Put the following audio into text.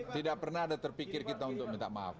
tidak pernah ada terpikir kita untuk minta maaf